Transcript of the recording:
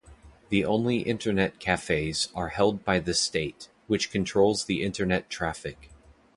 The only internet cafes are held by the state, which controls the internet traffic.